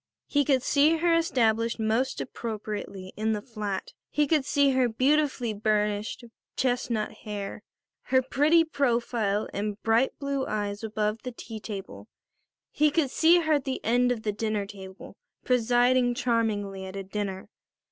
He could see her established most appropriately in the flat. He could see her beautifully burnished chestnut hair, her pretty profile and bright blue eyes above the tea table; he could see her at the end of the dinner table presiding charmingly at a dinner.